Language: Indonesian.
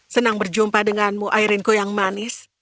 senang berjumpa denganmu airinku yang manis